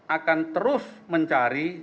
akan terus mencari